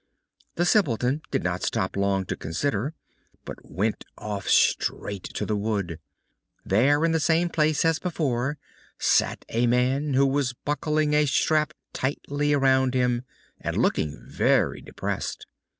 The Simpleton did not stop long to consider, but went off straight to the wood. There in the same place as before sat a man who was buckling a strap tightly around him, and looking very depressed.